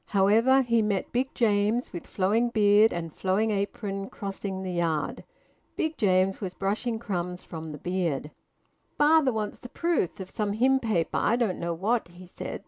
However, he met Big James, with flowing beard and flowing apron, crossing the yard. Big James was brushing crumbs from the beard. "Father wants the proof of some hymn paper I don't know what," he said.